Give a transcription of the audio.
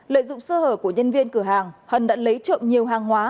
lợi dụng sơ hở của nhân viên cửa hàng hân đã lấy trộm nhiều hàng hóa